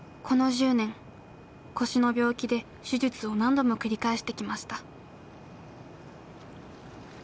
この１０年腰の病気で手術を何度も繰り返してきました。